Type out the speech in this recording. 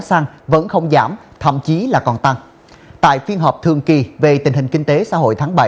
xăng vẫn không giảm thậm chí là còn tăng tại phiên họp thường kỳ về tình hình kinh tế xã hội tháng bảy